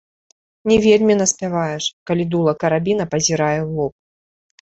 Не вельмі наспяваеш, калі дула карабіна пазірае ў лоб.